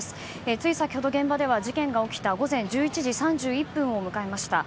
つい先ほど現場では事件が起きた午前１１時３１分を迎えました。